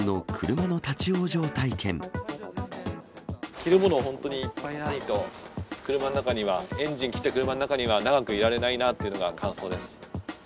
着るもの、本当にいっぱいないと、車の中には、エンジン切った車の中には、長くいられないなというのが感想です。